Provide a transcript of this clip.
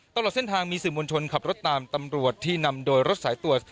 ตลอดเส้นทางมีสื่อมวลชนขับรถตามตำรวจที่นำโดยรถสายตรวจ